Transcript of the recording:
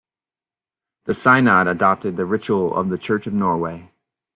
The Synod adopted the ritual of the Church of Norway.